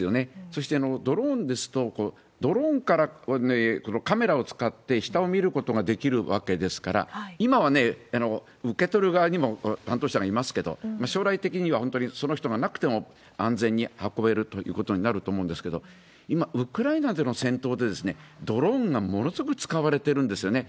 そして、ドローンですと、ドローンからカメラを使って下を見ることができるわけですから、今はね、受け取る側にも担当者がいますけど、将来的には本当にその人がなくても安全に運べるということになると思うんですけど、今、ウクライナでの戦闘で、ドローンがものすごく使われているんですよね。